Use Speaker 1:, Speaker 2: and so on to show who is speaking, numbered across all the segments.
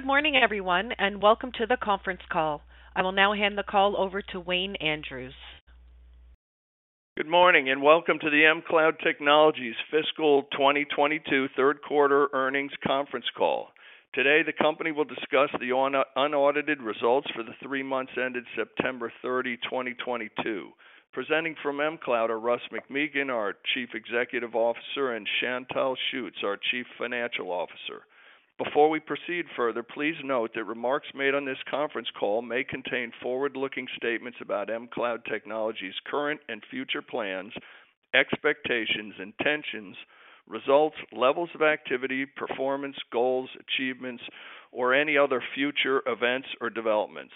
Speaker 1: Good morning, everyone, and welcome to the conference call. I will now hand the call over to Wayne Andrews.
Speaker 2: Good morning, and welcome to the mCloud Technologies Fiscal 2022 third quarter earnings conference call. Today, the company will discuss the unaudited results for the three months ended September 30, 2022. Presenting from mCloud are Russ McMeekin, our Chief Executive Officer, and Chantal Schutz, our Chief Financial Officer. Before we proceed further, please note that remarks made on this conference call may contain forward-looking statements about mCloud Technologies' current and future plans, expectations, intentions, results, levels of activity, performance, goals, achievements, or any other future events or developments.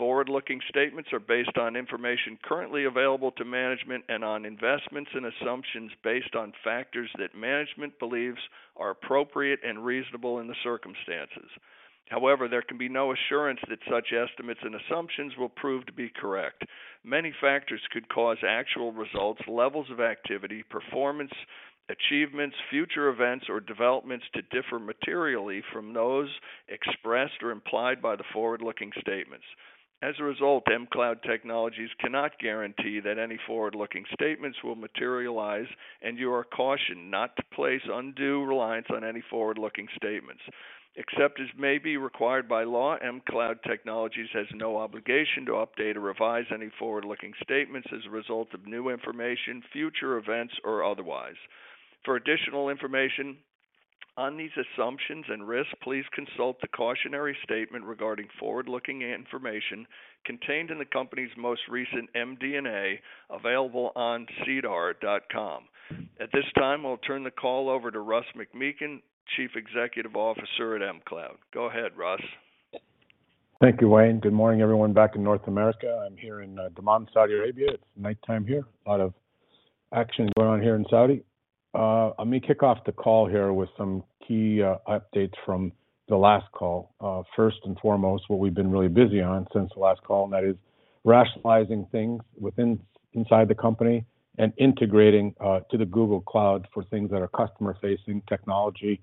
Speaker 2: Forward-looking statements are based on information currently available to management and on investments and assumptions based on factors that management believes are appropriate and reasonable in the circumstances. However, there can be no assurance that such estimates and assumptions will prove to be correct. Many factors could cause actual results, levels of activity, performance, achievements, future events or developments to differ materially from those expressed or implied by the forward-looking statements. As a result, mCloud Technologies cannot guarantee that any forward-looking statements will materialize, and you are cautioned not to place undue reliance on any forward-looking statements. Except as may be required by law, mCloud Technologies has no obligation to update or revise any forward-looking statements as a result of new information, future events, or otherwise. For additional information on these assumptions and risks, please consult the cautionary statement regarding forward-looking information contained in the company's most recent MD&A available on sedar.com. At this time, I'll turn the call over to Russ McMeekin, Chief Executive Officer at mCloud. Go ahead, Russ.
Speaker 3: Thank you, Wayne. Good morning, everyone back in North America. I'm here in Dhahran, Saudi Arabia. It's nighttime here. A lot of action going on here in Saudi. Let me kick off the call here with some key updates from the last call. First and foremost, what we've been really busy on since the last call, and that is rationalizing things inside the company and integrating to the Google Cloud for things that are customer-facing technology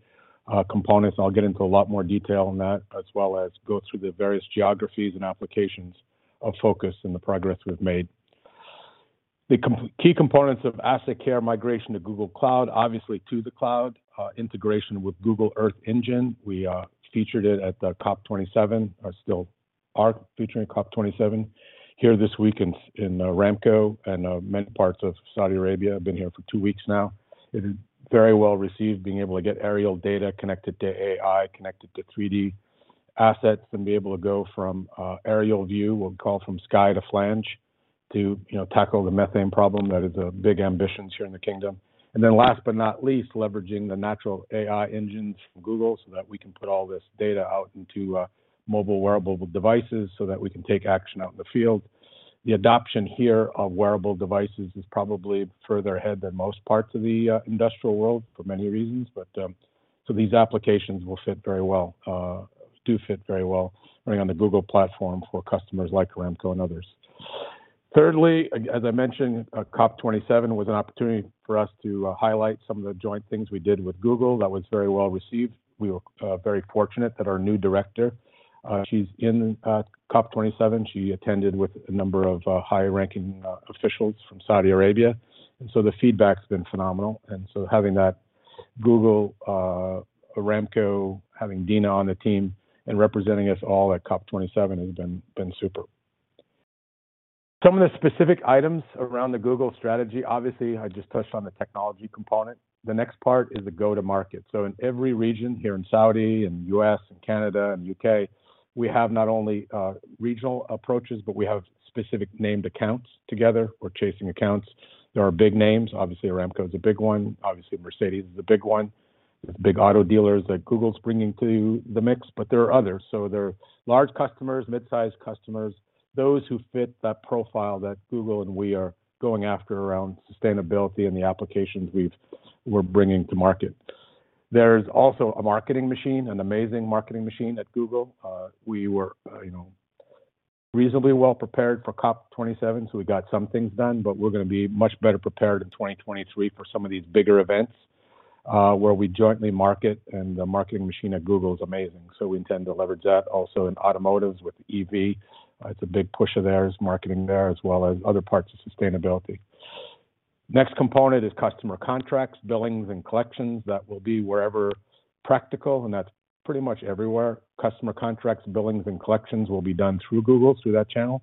Speaker 3: components. I'll get into a lot more detail on that, as well as go through the various geographies and applications of focus and the progress we've made. The key components of AssetCare migration to Google Cloud, obviously to the cloud, integration with Google Earth Engine. We featured it at the COP27, are featuring COP27 here this week in Riyadh and many parts of Saudi Arabia. I've been here for two weeks now. It is very well received being able to get aerial data connected to AI, connected to 3D assets, and be able to go from aerial view, we'll call from sky to flange, to, you know, tackle the methane problem that is a big ambition here in the kingdom. Last but not least, leveraging the natural AI engines from Google so that we can put all this data out into mobile wearable devices so that we can take action out in the field. The adoption here of wearable devices is probably further ahead than most parts of the industrial world for many reasons. These applications do fit very well running on the Google platform for customers like Aramco and others. Thirdly, as I mentioned, COP27 was an opportunity for us to highlight some of the joint things we did with Google. That was very well received. We were very fortunate that our new director, she's in COP27. She attended with a number of high-ranking officials from Saudi Arabia, and so the feedback's been phenomenal. Having that Google, Aramco, Dina on the team and representing us all at COP27 has been super. Some of the specific items around the Google strategy, obviously, I just touched on the technology component. The next part is the go-to-market. In every region here in Saudi and U.S. and Canada and U.K., we have not only regional approaches, but we have specific named accounts together. We're chasing accounts. There are big names. Obviously, Aramco is a big one. Obviously, Mercedes-Benz is a big one. There's big auto dealers that Google's bringing to the mix, but there are others. There are large customers, mid-sized customers, those who fit that profile that Google and we are going after around sustainability and the applications we're bringing to market. There's also a marketing machine, an amazing marketing machine at Google. We were, you know, reasonably well prepared for COP27, so we got some things done, but we're gonna be much better prepared in 2023 for some of these bigger events, where we jointly market, and the marketing machine at Google is amazing. We intend to leverage that also in automotives with EV. It's a big push of theirs, marketing there, as well as other parts of sustainability. Next component is customer contracts, billings, and collections. That will be wherever practical, and that's pretty much everywhere. Customer contracts, billings, and collections will be done through Google, through that channel.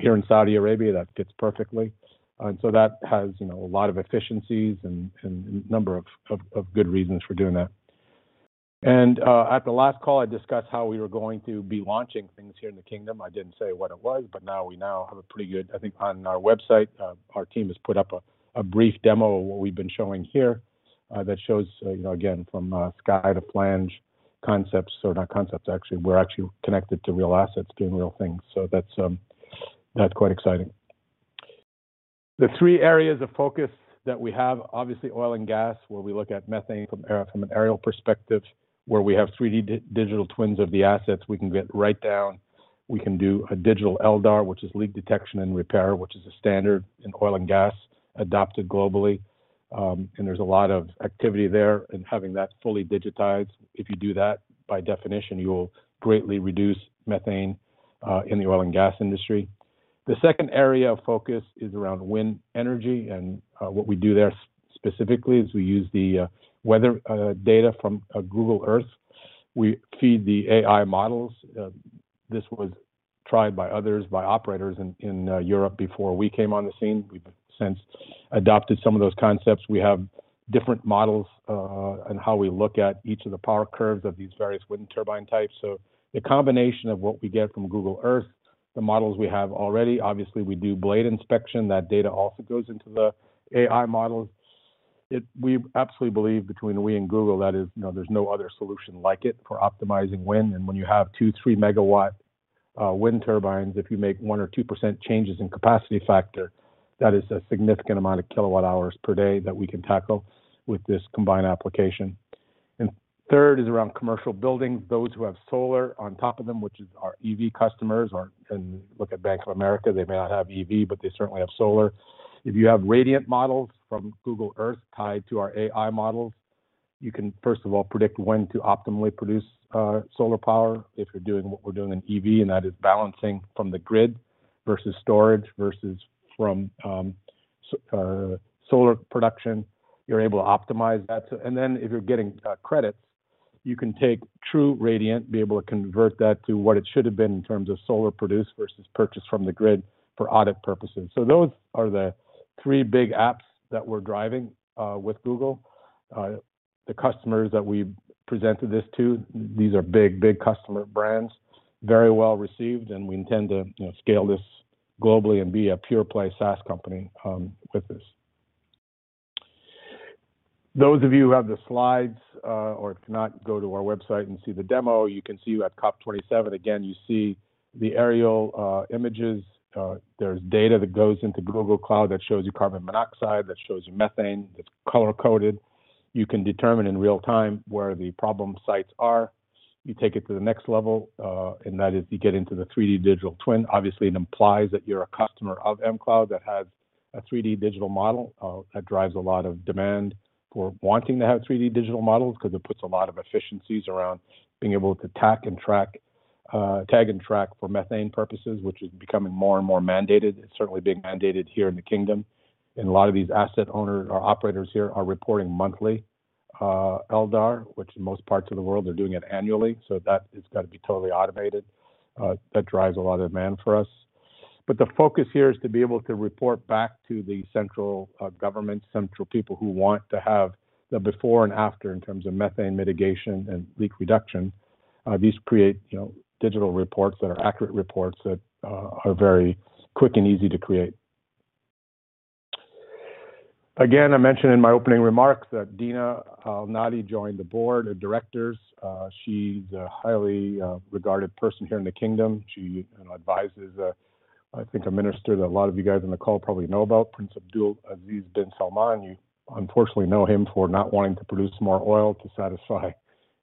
Speaker 3: Here in Saudi Arabia, that fits perfectly. That has, you know, a lot of efficiencies and any number of good reasons for doing that. At the last call, I discussed how we were going to be launching things here in the kingdom. I didn't say what it was, but now we have a pretty good, I think on our website, our team has put up a brief demo of what we've been showing here, that shows, you know, again, from sky to flange concepts. Not concepts, actually. We're actually connected to real assets doing real things. That's quite exciting. The three areas of focus that we have, obviously oil and gas, where we look at methane from an aerial perspective, where we have 3D digital twins of the assets, we can get right down. We can do a digital LDAR, which is leak detection and repair, which is a standard in oil and gas adopted globally. There's a lot of activity there in having that fully digitized. If you do that, by definition, you will greatly reduce methane in the oil and gas industry. The second area of focus is around wind energy, and what we do there specifically is we use the weather data from Google Earth. We feed the AI models. This was tried by others, by operators in Europe before we came on the scene. We've since adopted some of those concepts. We have different models on how we look at each of the power curves of these various wind turbine types. The combination of what we get from Google Earth, the models we have already, obviously we do blade inspection, that data also goes into the AI models. We absolutely believe between we and Google that is, you know, there's no other solution like it for optimizing wind. When you have 2-3 MW wind turbines, if you make 1% or 2% changes in capacity factor, that is a significant amount of kilowatt hours per day that we can tackle with this combined application. Third is around commercial buildings. Those who have solar on top of them, which is our EV customers are. Look at Bank of America, they may not have EV, but they certainly have solar. If you have radiant models from Google Earth tied to our AI models, you can first of all predict when to optimally produce solar power. If you're doing what we're doing in EV, and that is balancing from the grid versus storage versus from solar production, you're able to optimize that to. If you're getting credits, you can take true reading, be able to convert that to what it should have been in terms of solar produced versus purchased from the grid for audit purposes. Those are the three big apps that we're driving with Google. The customers that we've presented this to, these are big, big customer brands. Very well received, and we intend to, you know, scale this globally and be a pure play SaaS company with this. Those of you who have the slides or cannot go to our website and see the demo, you can see we're at COP27. Again, you see the aerial images. There's data that goes into Google Cloud that shows you carbon monoxide, that shows you methane, that's color-coded. You can determine in real time where the problem sites are. You take it to the next level, and that is you get into the 3D digital twin. Obviously, it implies that you're a customer of mCloud that has a 3D digital model. That drives a lot of demand for wanting to have 3D digital models 'cause it puts a lot of efficiencies around being able to tag and track for methane purposes, which is becoming more and more mandated. It's certainly being mandated here in the kingdom. A lot of these asset owners or operators here are reporting monthly LDAR, which in most parts of the world are doing it annually. That it's got to be totally automated. That drives a lot of demand for us. The focus here is to be able to report back to the central, government, central people who want to have the before and after in terms of methane mitigation and leak reduction. These create, you know, digital reports that are accurate reports that are very quick and easy to create. Again, I mentioned in my opening remarks that Dina Alnahdy joined the board of directors. She's a highly regarded person here in the kingdom. She advises, I think a minister that a lot of you guys on the call probably know about, Prince Abdulaziz bin Salman Al Saud. You unfortunately know him for not wanting to produce more oil to satisfy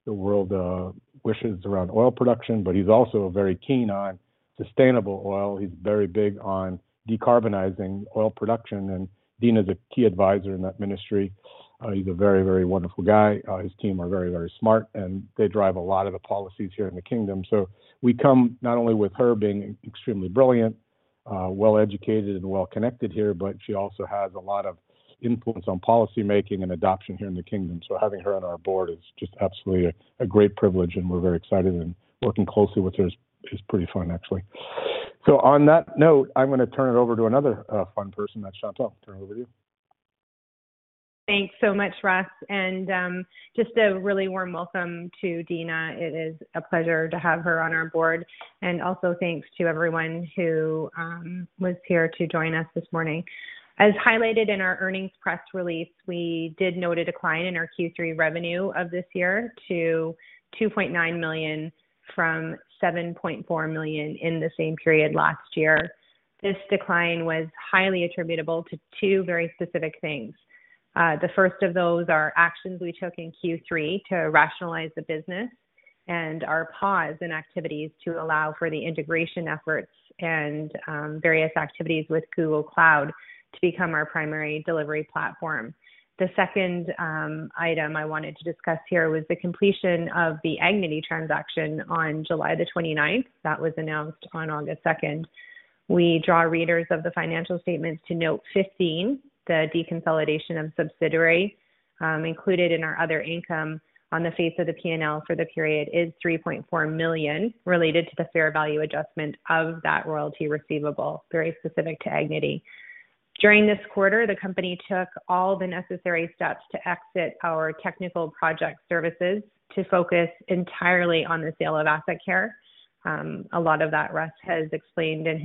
Speaker 3: the world's wishes around oil production. He's also very keen on sustainable oil. He's very big on decarbonizing oil production, and Dina is a key advisor in that ministry. He's a very, very wonderful guy. His team are very, very smart, and they drive a lot of the policies here in the kingdom. We come not only with her being extremely brilliant, well educated and well connected here, but she also has a lot of influence on policymaking and adoption here in the kingdom. Having her on our board is just absolutely a great privilege, and we're very excited. Working closely with her is pretty fun, actually. On that note, I'm gonna turn it over to another fun person. That's Chantal. Turn it over to you.
Speaker 4: Thanks so much, Russ. Just a really warm welcome to Dina. It is a pleasure to have her on our board. Also thanks to everyone who was here to join us this morning. As highlighted in our earnings press release, we did note a decline in our Q3 revenue of this year to 2.9 million from 7.4 million in the same period last year. This decline was highly attributable to two very specific things. The first of those are actions we took in Q3 to rationalize the business and our pause in activities to allow for the integration efforts and various activities with Google Cloud to become our primary delivery platform. The second item I wanted to discuss here was the completion of the Agnity transaction on July 29. That was announced on August 2nd. We draw readers of the financial statements to note 15, the deconsolidation of subsidiary, included in our other income on the face of the P&L for the period is 3.4 million related to the fair value adjustment of that royalty receivable, very specific to Agnity. During this quarter, the company took all the necessary steps to exit our technical project services to focus entirely on the sale of AssetCare. A lot of that Russ has explained in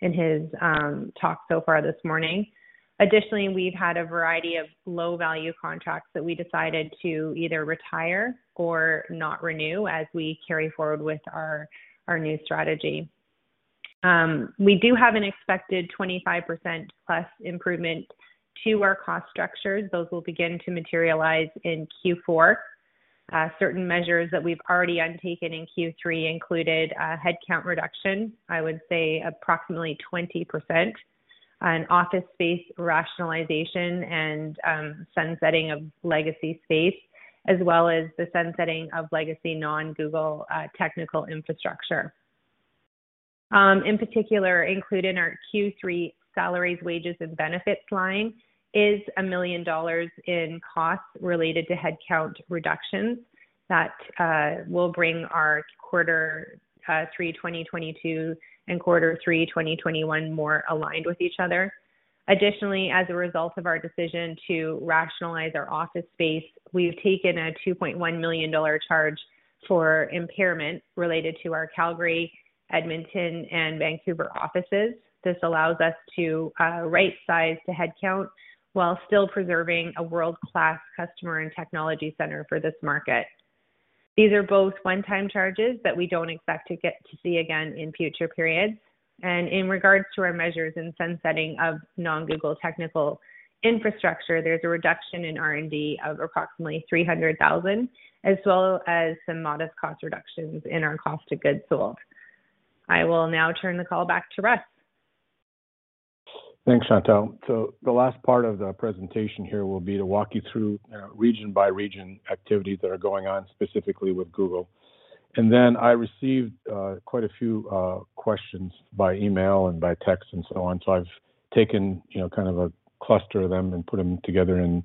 Speaker 4: his talk so far this morning. Additionally, we've had a variety of low-value contracts that we decided to either retire or not renew as we carry forward with our new strategy. We do have an expected 25%+ improvement to our cost structures. Those will begin to materialize in Q4. Certain measures that we've already undertaken in Q3 included a headcount reduction, I would say approximately 20%, an office space rationalization and sunsetting of legacy space, as well as the sunsetting of legacy non-Google technical infrastructure. In particular, included in our Q3 salaries, wages, and benefits line is 1 million dollars in costs related to headcount reductions that will bring our quarter three 2022 and quarter three 2021 more aligned with each other. Additionally, as a result of our decision to rationalize our office space, we've taken a 2.1 million dollar charge for impairment related to our Calgary, Edmonton, and Vancouver offices. This allows us to right-size the headcount while still preserving a world-class customer and technology center for this market. These are both one-time charges that we don't expect to get to see again in future periods. In regards to our measures in sunsetting of non-Google technical infrastructure, there's a reduction in R&D of approximately 300,000, as well as some modest cost reductions in our cost of goods sold. I will now turn the call back to Russ.
Speaker 3: Thanks, Chantal Schutz. The last part of the presentation here will be to walk you through region by region activities that are going on specifically with Google. Then I received quite a few questions by email and by text and so on. I've taken, you know, kind of a cluster of them and put them together in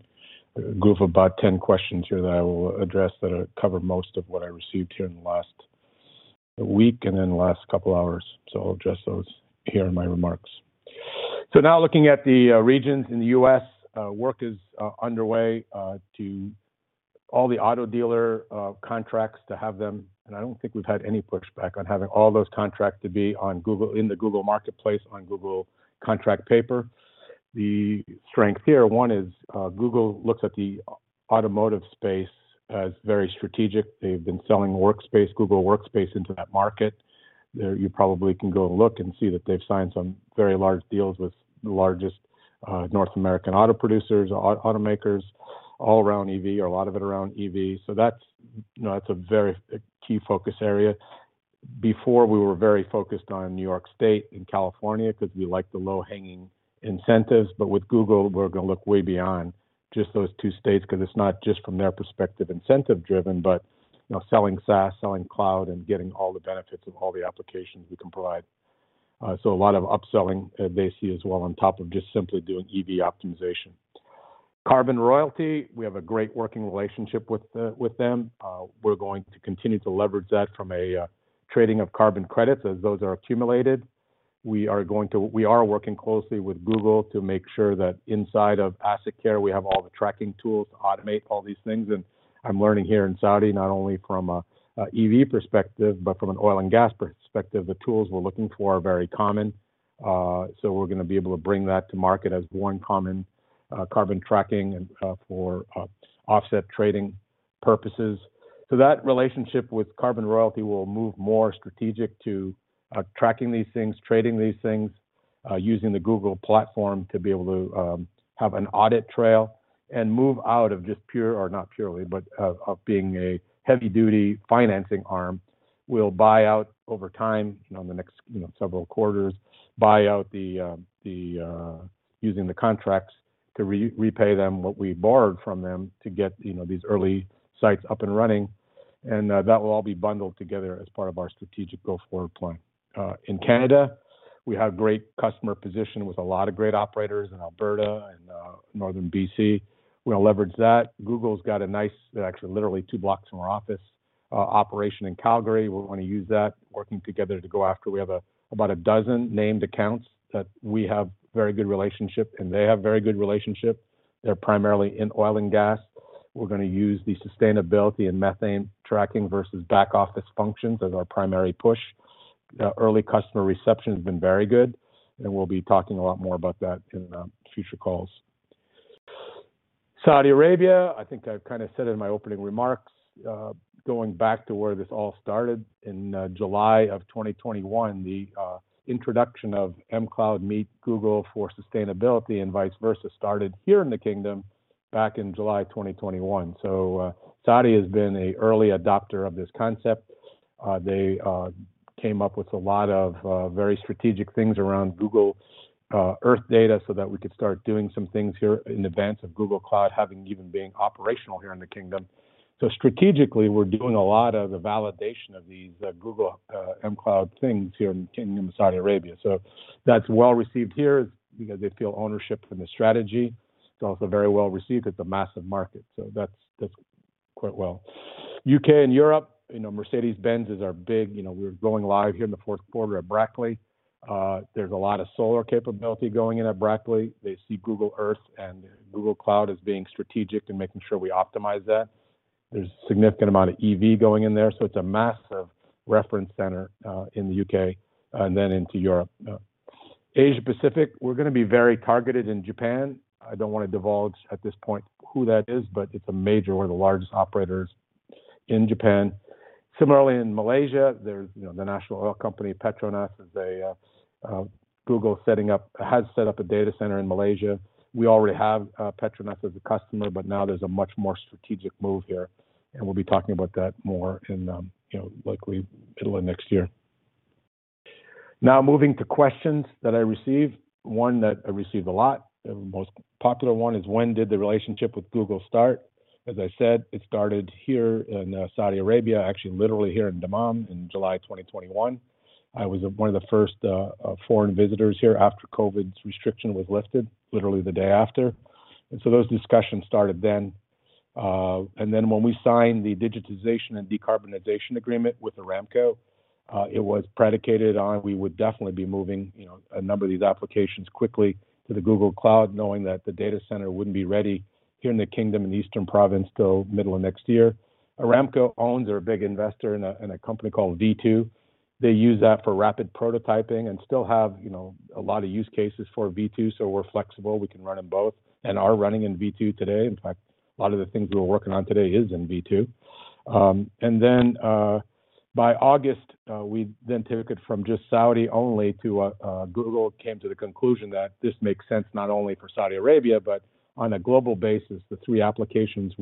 Speaker 3: a group of about 10 questions here that I will address that cover most of what I received here in the last week and in the last couple hours. I'll address those here in my remarks. Now looking at the regions in the U.S., work is underway to all the auto dealer contracts to have them. I don't think we've had any pushback on having all those contracts to be on Google in the Google marketplace on Google contract paper. The strength here, one is, Google looks at the automotive space as very strategic. They've been selling workspace, Google Workspace, into that market. You probably can go look and see that they've signed some very large deals with the largest North American auto producers, automakers, all around EV or a lot of it around EV. That's, you know, that's a very key focus area. Before, we were very focused on New York State and California because we like the low-hanging incentives. With Google, we're gonna look way beyond just those two states, 'cause it's not just from their perspective, incentive-driven, but, you know, selling SaaS, selling cloud, and getting all the benefits of all the applications we can provide. A lot of upselling they see as well on top of just simply doing EV optimization. Carbon Royalty, we have a great working relationship with them. We're going to continue to leverage that from a trading of carbon credits as those are accumulated. We are working closely with Google to make sure that inside of AssetCare, we have all the tracking tools to automate all these things. I'm learning here in Saudi, not only from a EV perspective, but from an oil and gas perspective, the tools we're looking for are very common. We're gonna be able to bring that to market as one common carbon tracking and for offset trading purposes. That relationship with Carbon Royalty will move more strategic to tracking these things, trading these things, using the Google platform to be able to have an audit trail and move out of just pure, or not purely, but of being a heavy-duty financing arm. We'll buy out over time, you know, in the next, you know, several quarters, buy out the using the contracts to repay them what we borrowed from them to get, you know, these early sites up and running. That will all be bundled together as part of our strategic go forward plan. In Canada, we have great customer position with a lot of great operators in Alberta and northern BC. We're gonna leverage that. Google's got a nice, they're actually literally two blocks from our office operation in Calgary. We wanna use that working together to go after. We have about a dozen named accounts that we have very good relationship, and they have very good relationship. They're primarily in oil and gas. We're gonna use the sustainability and methane tracking versus back office functions as our primary push. Early customer reception has been very good, and we'll be talking a lot more about that in future calls. Saudi Arabia, I think I've kind of said in my opening remarks, going back to where this all started in July of 2021, the introduction of mCloud and Google for sustainability and vice versa started here in the kingdom back in July 2021. Saudi has been an early adopter of this concept. They came up with a lot of very strategic things around Google Earth data so that we could start doing some things here in advance of Google Cloud having even being operational here in the kingdom. Strategically, we're doing a lot of the validation of these Google mCloud things here in the Kingdom of Saudi Arabia. That's well-received here because they feel ownership in the strategy. It's also very well-received. It's a massive market. That's quite well. U.K. and Europe, you know, Mercedes-Benz is our big, you know, we're going live here in the fourth quarter at Brackley. There's a lot of solar capability going in at Brackley. They see Google Earth and Google Cloud as being strategic and making sure we optimize that. There's a significant amount of EV going in there, so it's a massive reference center in the U.K. and then into Europe. Asia-Pacific, we're gonna be very targeted in Japan. I don't wanna divulge at this point who that is, but it's a major, one of the largest operators in Japan. Similarly in Malaysia, there's, you know, the national oil company, PETRONAS, Google has set up a data center in Malaysia. We already have PETRONAS as a customer, but now there's a much more strategic move here, and we'll be talking about that more in, you know, likely middle of next year. Now moving to questions that I received. One that I received a lot, the most popular one is when did the relationship with Google start? As I said, it started here in Saudi Arabia, actually literally here in Dammam in July 2021. I was one of the first foreign visitors here after COVID's restriction was lifted, literally the day after. Those discussions started then. When we signed the digitization and decarbonization agreement with Aramco, it was predicated on we would definitely be moving, you know, a number of these applications quickly to the Google Cloud, knowing that the data center wouldn't be ready here in the kingdom in the Eastern Province till middle of next year. Aramco owns or a big investor in a company called V2. They use that for rapid prototyping and still have, you know, a lot of use cases for V2. We're flexible. We can run them both and are running in V2 today. In fact, a lot of the things we're working on today is in V2. By August, we then took it from just Saudi only to Google came to the conclusion that this makes sense not only for Saudi Arabia, but on a global basis. The three applications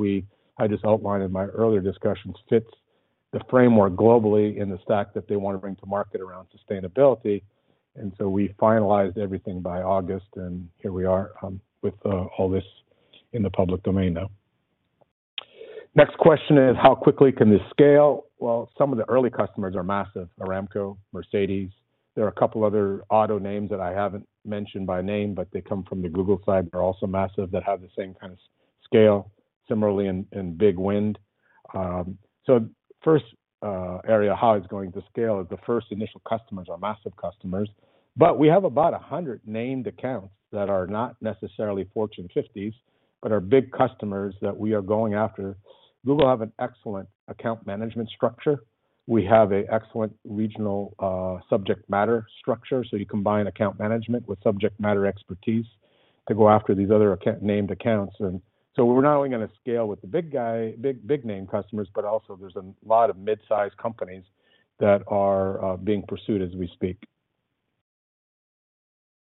Speaker 3: I just outlined in my earlier discussions fits the framework globally in the stack that they want to bring to market around sustainability. We finalized everything by August, and here we are, with all this in the public domain now. Next question is, how quickly can this scale? Well, some of the early customers are massive. Aramco, Mercedes-Benz. There are a couple other auto names that I haven't mentioned by name, but they come from the Google Cloud and are also massive that have the same kind of scale, similarly in big wind. First area, how it's going to scale is the first initial customers are massive customers. We have about 100 named accounts that are not necessarily Fortune 50s, but are big customers that we are going after. Google have an excellent account management structure. We have an excellent regional subject matter structure. You combine account management with subject matter expertise to go after these other named accounts. We're not only gonna scale with the big guy, big name customers, but also there's a lot of mid-size companies that are being pursued as we speak.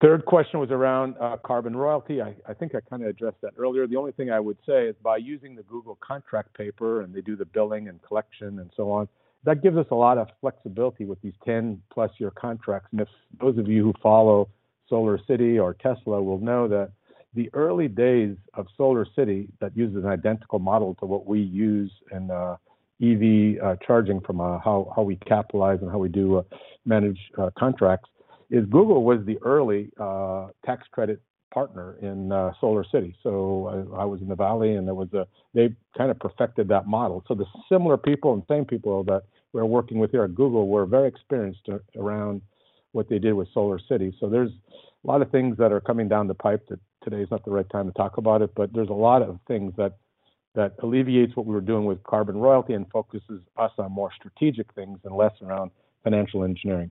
Speaker 3: Third question was around Carbon Royalty Corp. I think I kinda addressed that earlier. The only thing I would say is by using the Google contract paperwork, and they do the billing and collection and so on, that gives us a lot of flexibility with these 10+ year contracts. If those of you who follow SolarCity or Tesla will know that the early days of SolarCity that uses an identical model to what we use in EV charging from how we capitalize and how we do manage contracts, is Google was the early tax credit partner in SolarCity. I was in the valley. They kinda perfected that model. The similar people and same people that we're working with here at Google were very experienced around what they did with SolarCity. There's a lot of things that are coming down the pipe that today is not the right time to talk about it, but there's a lot of things that alleviates what we were doing with Carbon Royalty and focuses us on more strategic things and less around financial engineering.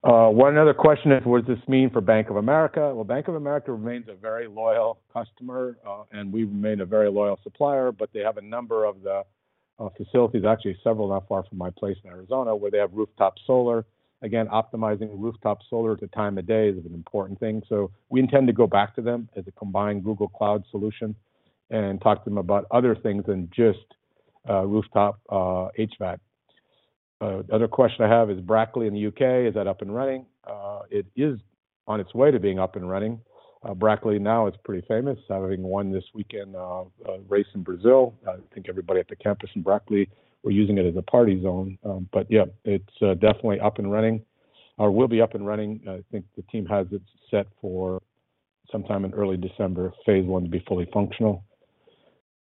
Speaker 3: One other question is, what does this mean for Bank of America? Well, Bank of America remains a very loyal customer, and we've remained a very loyal supplier, but they have a number of facilities, actually several not far from my place in Arizona, where they have rooftop solar. Again, optimizing rooftop solar at the time of day is an important thing. We intend to go back to them as a combined Google Cloud solution and talk to them about other things than just rooftop HVAC. Other question I have is Brackley in the U.K. Is that up and running? It is on its way to being up and running. Brackley now is pretty famous, having won this weekend race in Brazil. I think everybody at the campus in Brackley were using it as a party zone. Yeah, it's definitely up and running or will be up and running. I think the team has it set for sometime in early December, phase one to be fully functional.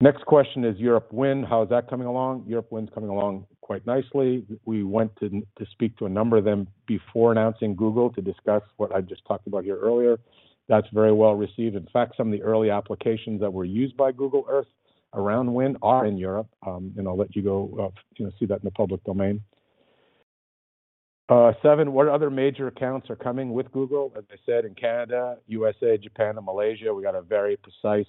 Speaker 3: Next question is Europe Wind, how is that coming along? Europe Wind's coming along quite nicely. We went to speak to a number of them before announcing Google to discuss what I just talked about here earlier. That's very well received. In fact, some of the early applications that were used by Google Earth around wind are in Europe, and I'll let you go, you know, see that in the public domain. Seven, what other major accounts are coming with Google? As I said, in Canada, USA, Japan, and Malaysia, we got a very precise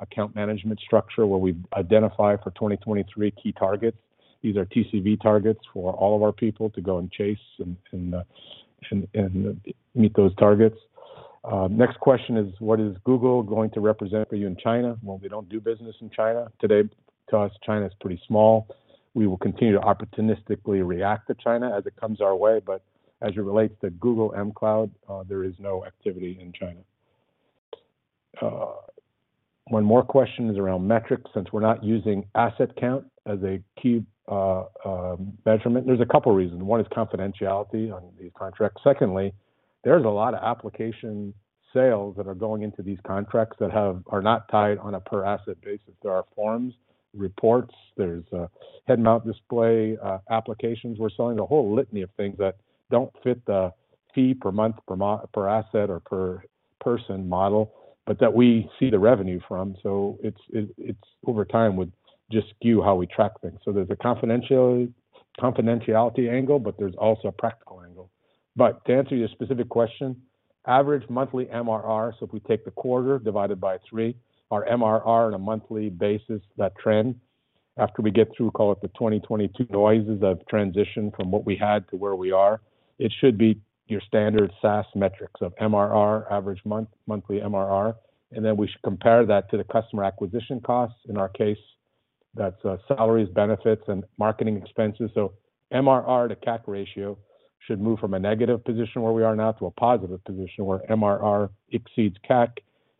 Speaker 3: account management structure where we identify for 2023 key targets. These are TCV targets for all of our people to go and chase and meet those targets. Next question is, what is Google going to represent for you in China? Well, we don't do business in China today to us. China is pretty small. We will continue to opportunistically react to China as it comes our way. As it relates to Google mCloud, there is no activity in China. One more question is around metrics, since we're not using asset count as a key measurement. There's a couple of reasons. One is confidentiality on these contracts. Secondly, there's a lot of application sales that are going into these contracts that are not tied on a per asset basis. There are forms, reports, there's head-mounted display applications. We're selling a whole litany of things that don't fit the fee per month, per asset or per person model, but that we see the revenue from. So it's over time would just skew how we track things. So there's a confidentiality angle, but there's also a practical angle. To answer your specific question, average monthly MRR. If we take the quarter divided by three, our MRR on a monthly basis, that trend after we get through, call it the 2022 noises of transition from what we had to where we are, it should be your standard SaaS metrics of MRR, average month, monthly MRR. Then we should compare that to the customer acquisition costs. In our case, that's salaries, benefits, and marketing expenses. MRR to CAC ratio should move from a negative position where we are now to a positive position where MRR exceeds CAC,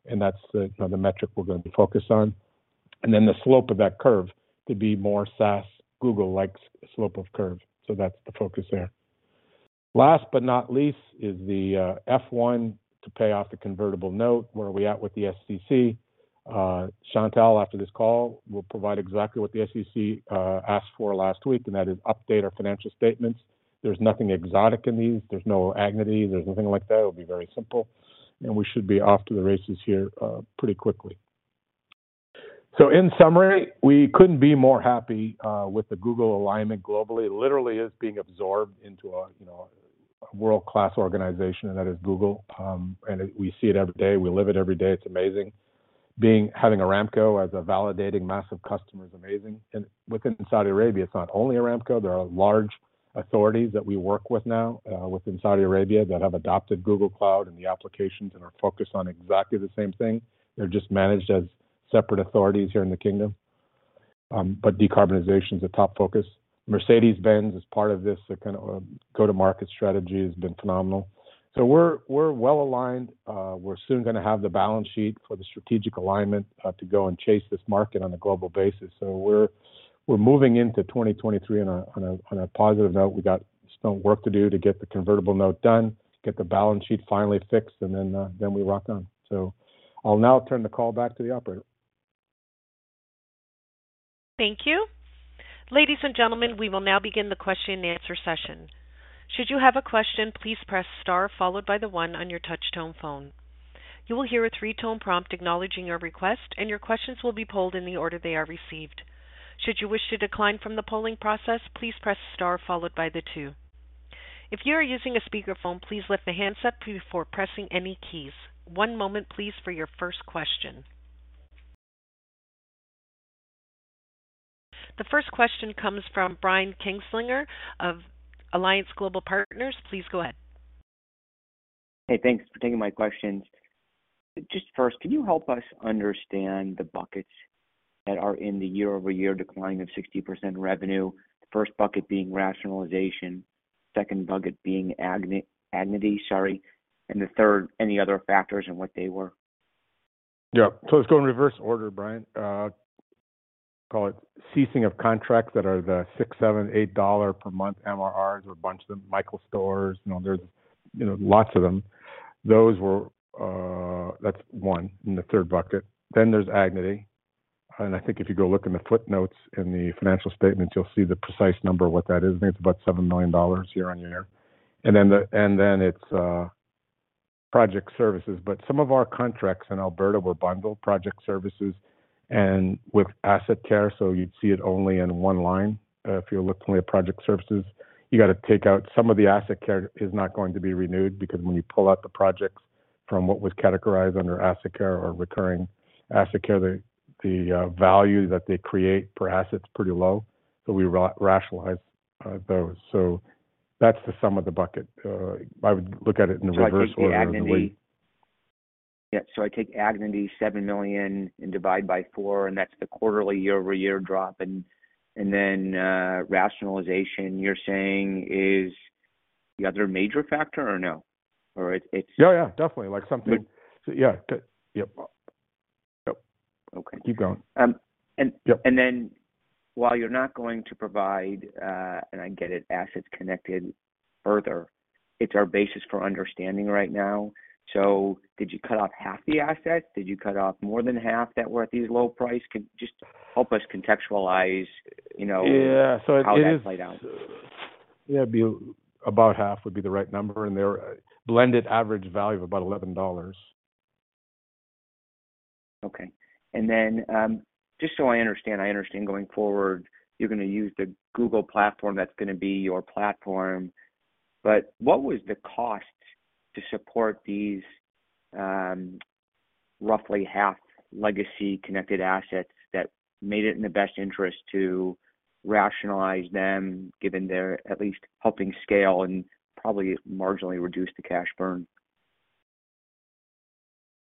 Speaker 3: and that's the, you know, the metric we're going to focus on. Then the slope of that curve to be more SaaS Google-like slope of curve. That's the focus there. Last but not least is the F-1 to pay off the convertible note. Where are we at with the SEC? Chantal, after this call, will provide exactly what the SEC asked for last week, and that is update our financial statements. There's nothing exotic in these. There's no Agnity, there's nothing like that. It'll be very simple, and we should be off to the races here pretty quickly. In summary, we couldn't be more happy with the Google alignment globally. Literally is being absorbed into a, you know, a world-class organization, and that is Google. We see it every day. We live it every day. It's amazing. Having Aramco as a validating massive customer is amazing. Within Saudi Arabia, it's not only Aramco, there are large authorities that we work with now within Saudi Arabia that have adopted Google Cloud and the applications and are focused on exactly the same thing. They're just managed as separate authorities here in the kingdom. Decarbonization is a top focus. Mercedes-Benz is part of this. Their kind of go-to-market strategy has been phenomenal. We're well aligned. We're soon gonna have the balance sheet for the strategic alignment to go and chase this market on a global basis. We're moving into 2023 on a positive note. We got some work to do to get the convertible note done, get the balance sheet finally fixed, and then we rock on. I'll now turn the call back to the operator.
Speaker 1: Thank you. Ladies and gentlemen, we will now begin the question and answer session. Should you have a question, please press star followed by the one on your touch tone phone. You will hear a three-tone prompt acknowledging your request, and your questions will be polled in the order they are received. Should you wish to decline from the polling process, please press star followed by the two. If you are using a speakerphone, please lift the handset before pressing any keys. One moment, please, for your first question. The first question comes from Brian Kinstlinger of Alliance Global Partners. Please go ahead.
Speaker 5: Hey, thanks for taking my questions. Just first, can you help us understand the buckets that are in the year-over-year decline of 60% revenue, the first bucket being rationalization, second bucket being Agnity, sorry, and the third, any other factors and what they were?
Speaker 3: Let's go in reverse order, Brian. Call it ceasing of contracts that are the $6, $7, $8 per month MRRs. There were a bunch of them, Michaels Stores. You know, there's, you know, lots of them. Those were. That's one in the third bucket. There's Agnity. I think if you go look in the footnotes in the financial statements, you'll see the precise number, what that is. I think it's about $7 million year-over-year. It's project services. Some of our contracts in Alberta were bundled project services and with AssetCare, so you'd see it only in one line. If you're looking only at project services, you gotta take out some of the AssetCare is not going to be renewed because when you pull out the projects from what was categorized under AssetCare or recurring AssetCare, the value that they create per asset is pretty low. We rationalize those. That's the sum of the bucket. I would look at it in reverse order than the way.
Speaker 5: I take Agnity 7 million and divide by four, and that's the quarterly year-over-year drop. Then rationalization, you're saying is the other major factor or no? Or it's
Speaker 3: Yeah, yeah. Definitely.
Speaker 5: But-
Speaker 3: Yeah. Yep.
Speaker 5: Oh, okay.
Speaker 3: Keep going.
Speaker 5: Um, and-
Speaker 3: Yep.
Speaker 5: while you're not going to provide, and I get it, assets connected further, it's our basis for understanding right now. Did you cut off half the assets? Did you cut off more than half that were at these low price? Just help us contextualize, you know-
Speaker 3: Yeah.
Speaker 5: how that played out.
Speaker 3: About half would be the right number, and they're a blended average value of about $11.
Speaker 5: Just so I understand, I understand going forward, you're gonna use the Google platform, that's gonna be your platform. But what was the cost to support these, roughly half legacy connected assets that made it in the best interest to rationalize them, given they're at least helping scale and probably marginally reduce the cash burn?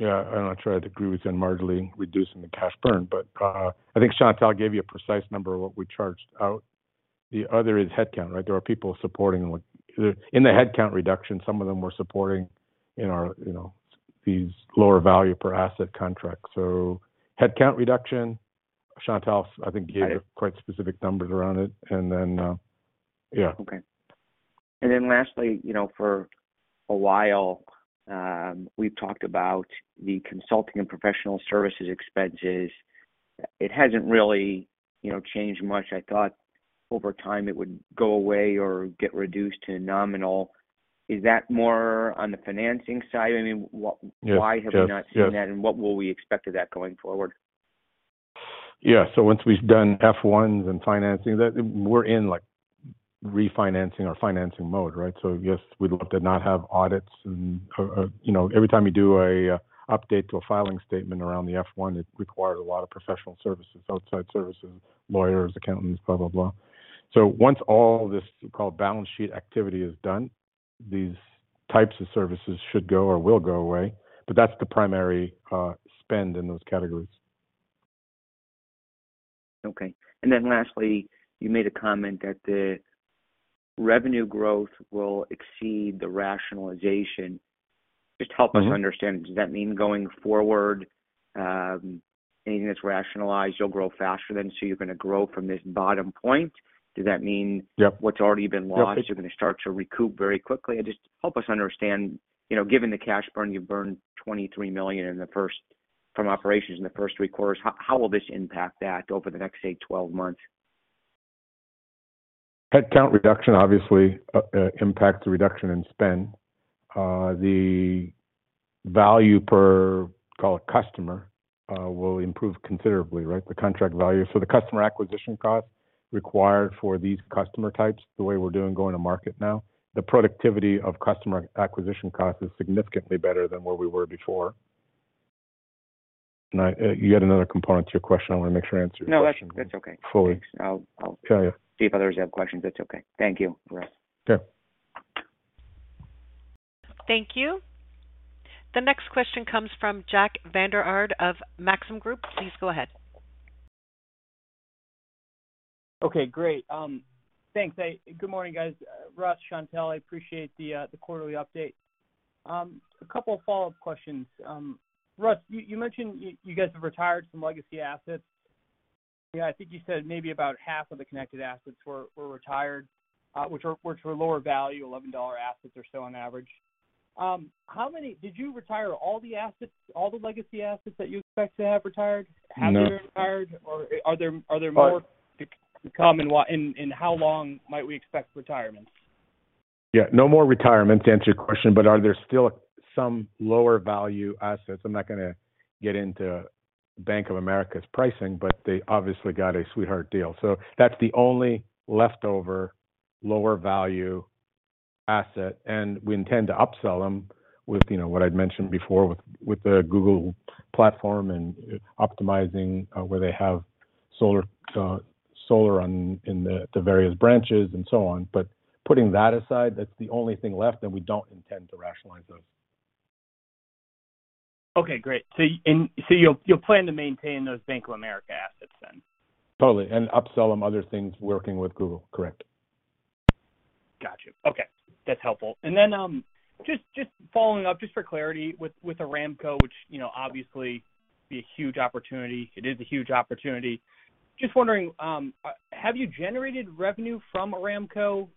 Speaker 3: I'm not sure I'd agree with them marginally reducing the cash burn, but I think Chantal gave you a precise number of what we charged out. The other is headcount, right? There are people supporting. In the headcount reduction, some of them were supporting in our, you know, these lower value per asset contracts. Headcount reduction, Chantal, I think gave.
Speaker 5: Right.
Speaker 3: Quite specific numbers around it. Yeah.
Speaker 5: Okay. Lastly, you know, for a while, we've talked about the consulting and professional services expenses. It hasn't really, you know, changed much. I thought over time it would go away or get reduced to nominal. Is that more on the financing side? I mean, why have we not seen that?
Speaker 3: Yeah.
Speaker 5: What will we expect of that going forward?
Speaker 3: Yeah. Once we've done F-1s and financing, that we're in, like, refinancing or financing mode, right? Yes, we'd love to not have audits and, you know, every time you do a update to a filing statement around the F-1, it requires a lot of professional services, outside services, Lawyers, Accountants, blah, blah. Once all this so-called balance sheet activity is done, these types of services should go or will go away. But that's the primary spend in those categories.
Speaker 5: Okay. Lastly, you made a comment that the revenue growth will exceed the rationalization. Just help us.
Speaker 3: Mm-hmm.
Speaker 5: Understand. Does that mean going forward, anything that's rationalized, you'll grow faster than so you're gonna grow from this bottom point? Does that mean-
Speaker 3: Yep.
Speaker 5: What's already been lost.
Speaker 3: Yep.
Speaker 5: You're gonna start to recoup very quickly? Just help us understand, you know, given the cash burn, you've burned 23 million from operations in the first three quarters, how will this impact that over the next, say, 12 months?
Speaker 3: Headcount reduction obviously impacts the reduction in spend. The value per, call it customer, will improve considerably, right? The contract value. The customer acquisition cost required for these customer types, the way we're doing going to market now, the productivity of customer acquisition cost is significantly better than where we were before. You had another component to your question. I wanna make sure I answered your question.
Speaker 5: No, that's okay.
Speaker 3: Fully.
Speaker 5: Thanks. I'll
Speaker 3: Sure, yeah.
Speaker 5: See if others have questions. That's okay. Thank you, Russ.
Speaker 3: Sure.
Speaker 1: Thank you. The next question comes from Jack Vander Aarde of Maxim Group. Please go ahead.
Speaker 6: Okay, great. Thanks. Good morning, guys. Russ, Chantal, I appreciate the quarterly update. A couple of follow-up questions. Russ, you mentioned you guys have retired some legacy assets. Yeah, I think you said maybe about half of the connected assets were retired, which were lower value, $11 assets or so on average. Did you retire all the assets, all the legacy assets that you expect to have retired?
Speaker 3: No.
Speaker 6: Have they retired or are there more to come, and how long might we expect retirements?
Speaker 3: Yeah. No more retirements to answer your question, but are there still some lower value assets? I'm not gonna get into Bank of America's pricing, but they obviously got a sweetheart deal. That's the only leftover lower value asset, and we intend to upsell them with, you know, what I'd mentioned before with the Google platform and optimizing where they have solar on in the various branches and so on. Putting that aside, that's the only thing left, and we don't intend to rationalize those.
Speaker 6: Okay, great. You'll plan to maintain those Bank of America assets then?
Speaker 3: Totally. Upsell them other things working with Google. Correct.
Speaker 6: Gotcha. Okay, that's helpful. Just following up, just for clarity with Aramco, which you know obviously be a huge opportunity. It is a huge opportunity. Just wondering, have you generated revenue from Aramco?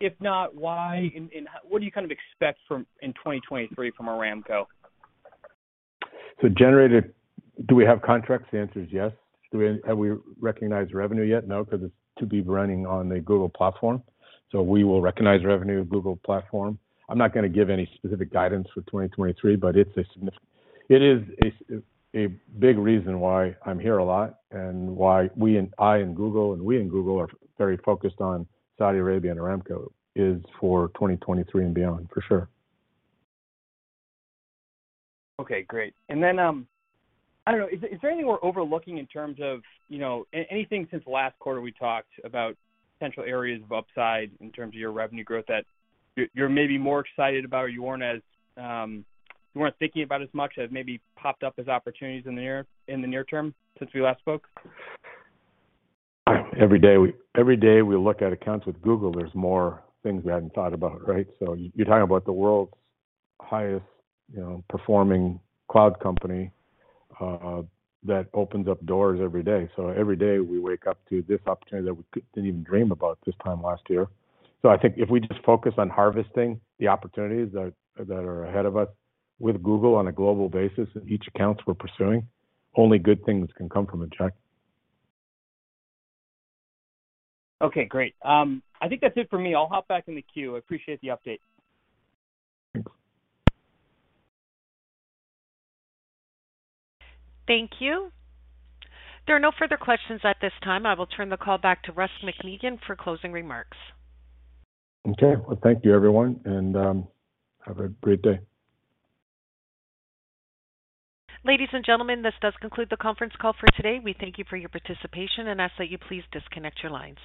Speaker 6: If not, why? And what do you kind of expect from in 2023 from Aramco?
Speaker 3: Generated. Do we have contracts? The answer is yes. Have we recognized revenue yet? No, 'cause it's to be running on the Google platform. We will recognize revenue, Google platform. I'm not gonna give any specific guidance for 2023, but it is a big reason why I'm here a lot and why we and I and Google, and we and Google are very focused on Saudi Arabia and Aramco, for 2023 and beyond, for sure.
Speaker 6: Okay, great. I don't know, is there anything we're overlooking in terms of, you know, anything since last quarter we talked about potential areas of upside in terms of your revenue growth that you're maybe more excited about or you weren't as, you weren't thinking about as much that maybe popped up as opportunities in the near term since we last spoke?
Speaker 3: Every day we look at accounts with Google, there's more things we hadn't thought about, right? You're talking about the world's highest, you know, performing cloud company that opens up doors every day. Every day we wake up to this opportunity that we didn't even dream about this time last year. I think if we just focus on harvesting the opportunities that are ahead of us with Google on a global basis in each accounts we're pursuing, only good things can come from it, Jack.
Speaker 6: Okay, great. I think that's it for me. I'll hop back in the queue. I appreciate the update.
Speaker 3: Thanks.
Speaker 1: Thank you. There are no further questions at this time. I will turn the call back to Russ McMeekin for closing remarks.
Speaker 3: Okay. Well, thank you, everyone, and have a great day.
Speaker 1: Ladies and gentlemen, this does conclude the conference call for today. We thank you for your participation and ask that you please disconnect your lines.